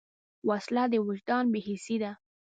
وسله د وجدان بېحسي ده